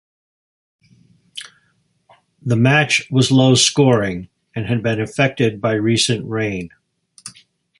The match was low scoring and had been affected by recent rain.